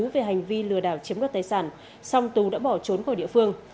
về hành vi lừa đảo chiếm đặt tài sản xong tù đã bỏ trốn khỏi địa phương